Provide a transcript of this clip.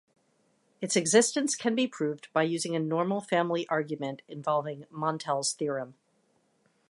Its existence can be proved by using a normal family argument involving Montel's theorem.